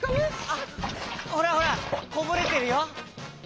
あっほらほらこぼれてるよ。